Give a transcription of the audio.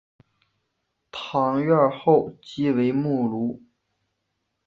堂院后即为墓庐。